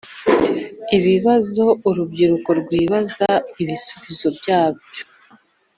Ibibazo urubyiruko rwibaza ibisubizo byabyo